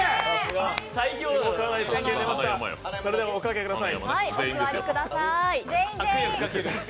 それでは、おかけください。